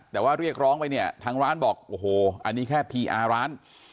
แต่ว่าเรียกร้องไปเนี่ยทางร้านบอกโอ้โหอันนี้แค่พีอาร์ร้าน